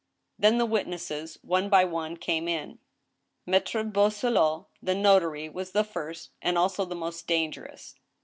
Then the vsdtnesses, one by one, came in. Maltre Boisselot, the notary, was the first, and also the most dangerous.